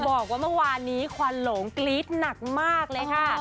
บอกว่าเมื่อวานนี้ควันหลงกรี๊ดหนักมากเลยค่ะ